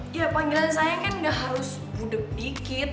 ya panggilan saya kan ga harus budeg dikit